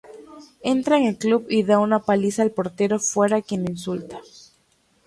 Entra en el club y da una paliza al portero fuera quien lo insulta.